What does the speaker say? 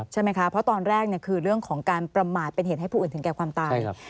ใช่ไหมคะเพราะตอนแรกคือเรื่องของการประมาทเป็นเหตุให้ผู้อื่นถึงแก่ความตาย